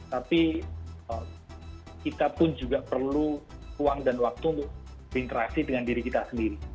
tapi kita pun juga perlu uang dan waktu untuk berinteraksi dengan diri kita sendiri